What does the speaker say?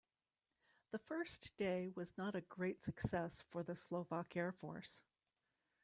The first day was not a great success for the Slovak Air Force.